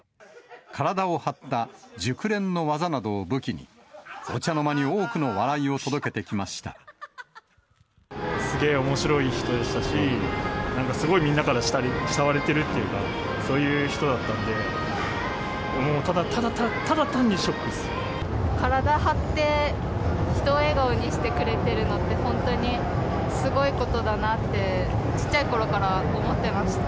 体を張った熟練の技などを武器に、お茶の間に多くの笑いを届けてきすげーおもしろい人でしたし、なんかすごいみんなから慕われてるというか、そういう人だったんで、もう、体張って、人を笑顔にしてくれてるのって、本当にすごいことだなって、ちっちゃいころから思っていました。